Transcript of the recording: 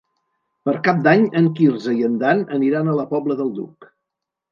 Per Cap d'Any en Quirze i en Dan aniran a la Pobla del Duc.